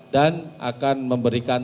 dan akan memberikan